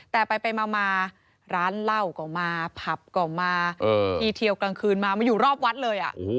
แต่ไปมาร้านเหล้าก็มาผับก็มาที่เที่ยวกลางคืนมามาอยู่รอบวัดเลย